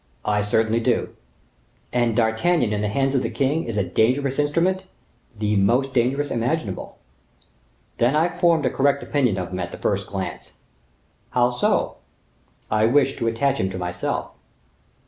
"I certainly do." "And D'Artagnan, in the hands of the king, is a dangerous instrument?" "The most dangerous imaginable." "Then I formed a correct opinion of him at the first glance." "How so?" "I wished to attach him to myself."